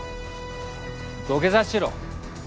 土下座しろ！